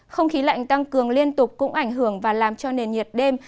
không khí lạnh tăng cường liên tục cũng ảnh hưởng và làm cho nền nhiệt đêm